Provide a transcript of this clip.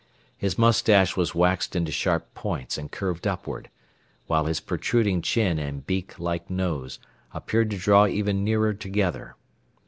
His mustache was waxed into sharp points and curved upward, while his protruding chin and beak like nose appeared to draw even nearer together.